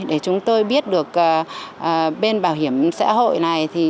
để chúng tôi biết được bên bảo hiểm xã hội này